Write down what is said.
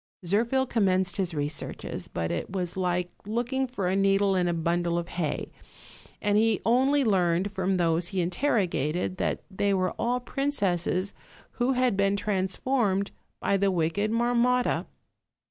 Zirphl commenced his researches; but it was like look ing for a needle in a bundle of hay, and he only learned from those he interrogated that they were all princesses who had been transformed by the wicked Marmotta.